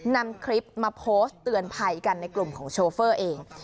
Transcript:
นำคลิปมาโพสต์เตือนไพรกันในกลุ่มของเอง